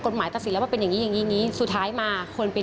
กฎหมายตัดสินแล้วว่าเป็นอย่างนี้สุดท้ายมา